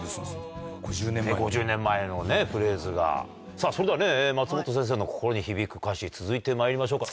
さぁそれではね松本先生の心に響く歌詞続いてまいりましょうか。